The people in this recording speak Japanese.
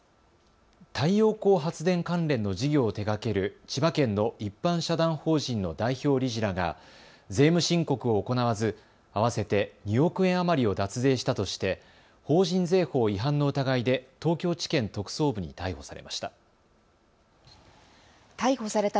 太陽光発電関連の事業を手がける千葉県の一般社団法人の代表理事らが税務申告を行わず合わせて２億円余りを脱税したとして法人税法違反の疑いで東京地検特捜部に逮捕されました。